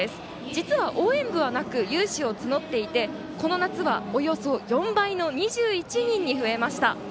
実は応援部はなく有志を募っていて、この夏はおよそ４倍の２１人に増えました。